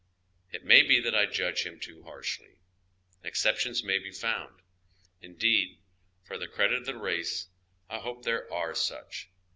It may be that I judge him too harshly. Exceptions may be found. Indeed, for the credit of the race, I hope there are such.